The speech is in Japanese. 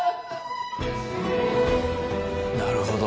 なるほど。